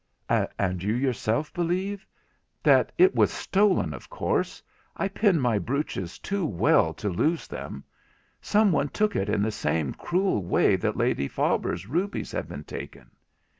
'And you yourself believe——' 'That it was stolen, of course. I pin my brooches too I! well to lose them—some one took it in the same cruel way that Lady Faber's rubies have been taken.